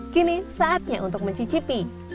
kini saatnya untuk mencicipi